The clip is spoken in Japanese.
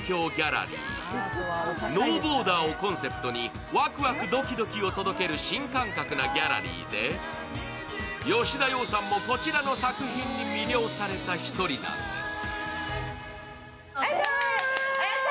ノーボーダーをコンセプトにワクワクドキドキを届ける新感覚なギャラリーで、吉田羊さんもこちらの作品に魅了された１人なんです。